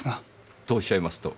とおっしゃいますと？